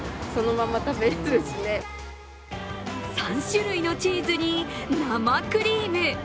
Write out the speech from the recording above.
３種類のチーズに生クリーム。